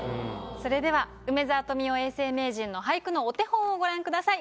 それでは梅沢富美男永世名人の俳句のお手本をご覧ください。